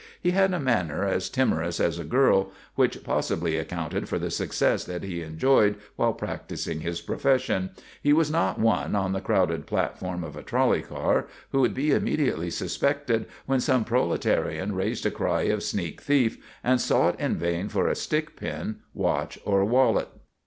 He had a manner as timorous as a girl, which possibly accounted for the success that he enjoyed while practising his profession. He was not one, on the crowded platform of a trolley car, who would be immediately suspected when some proletarian raised a cry of sneak thief and sought in vain for a stick pin, watch, or wallet.